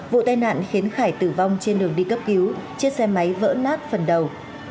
vụ tai nạn khiến khải tử vong trên đường đi cấp cứu chiếc xe máy vỡ nát phần đầu